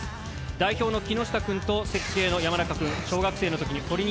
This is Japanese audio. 代表の木下くんと設計の山中くん。